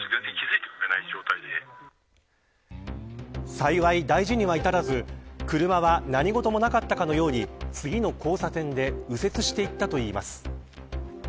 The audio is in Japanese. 幸い大事には至らず車は何事もなかったかのように次の交差点で右折していったといいます。